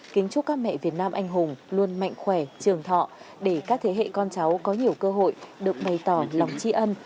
kiến trúc các mẹ việt nam anh hùng luôn mạnh khỏe trường thọ để các thế hệ con cháu có nhiều cơ hội được bày tỏ lòng tri ân